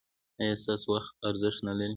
ایا ستاسو وخت ارزښت نلري؟